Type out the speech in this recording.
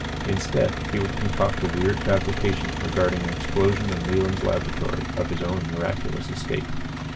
Instead, he would concoct a weird fabrication regarding an explosion in Leland's laboratory, of his own miraculous escape.